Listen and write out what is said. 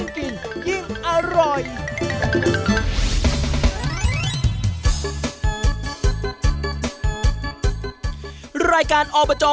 ธุรกิจ